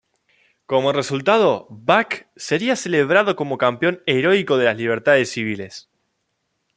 Como resultado, Buck sería celebrado como campeón heroico de las libertades civiles.